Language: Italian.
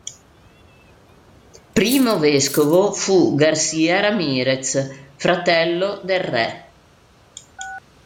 Primo vescovo fu García Ramírez, fratello del re.